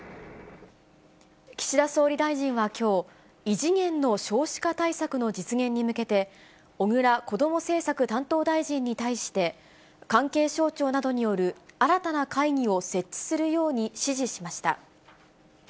岸田総理大臣はきょう、異次元の少子化対策の実現に向けて、小倉こども政策担当大臣に対して、関係省庁などによる新たな会議を設置するように指示しました。